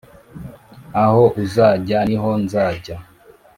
Aho uzajya ni ho nzajya